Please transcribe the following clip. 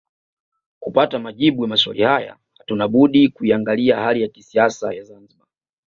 Kupata majibu ya maswali haya hatuna budi kuiangalia hali ya kisiasa ya Zanzibar